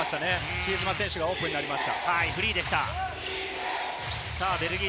比江島選手がオープンになりました。